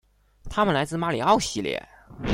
他们来自马里奥系列。